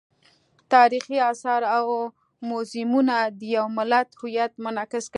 تاریخي آثار او موزیمونه د یو ملت هویت منعکس کوي.